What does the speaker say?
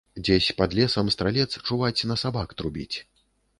Дзесь пад лесам стралец, чуваць, на сабак трубіць.